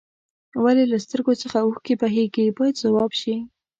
ولې له سترګو څخه اوښکې بهیږي باید ځواب شي.